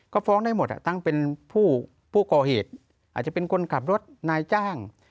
ก็ฟ้องได้หมดทั้งเป็นผู้ก่อเหตุอาจจะเป็นคนขับรถนายจ้าง